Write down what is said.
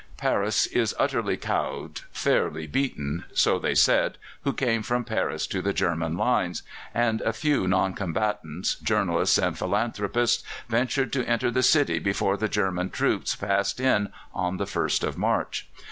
"Paris is utterly cowed, fairly beaten" so they said who came from Paris to the German lines, and a few non combatants, journalists, and philanthropists, ventured to enter the city before the German troops passed in on the 1st of March.